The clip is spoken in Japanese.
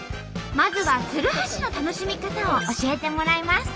まずは鶴橋の楽しみ方を教えてもらいます。